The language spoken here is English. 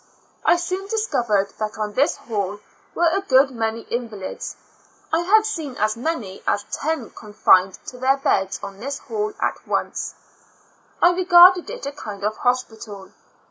I soon discovered that on this hall were a good many invalids; r have seen as many as ten confined to their beds on this hall at once; I regarded it a kind of hospital.